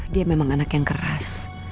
dia memang anak yang keras